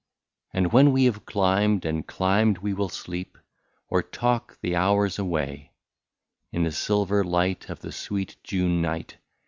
And when we have climbed and climbed we will sleep, Or talk the hours away, In the silver light of the sweet June night.